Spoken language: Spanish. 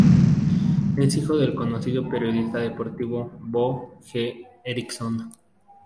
Es hijo del conocido periodista deportivo "Bo G. Eriksson".